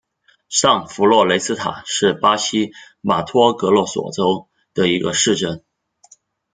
上弗洛雷斯塔是巴西马托格罗索州的一个市镇。